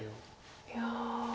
いや。